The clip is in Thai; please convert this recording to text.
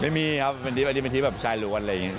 ไม่มีครับวันนี้เป็นที่แบบชายล้วนอะไรอย่างนี้